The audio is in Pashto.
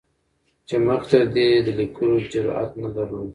چې مخکې تر دې یې د لیکلو جرعت نه درلود.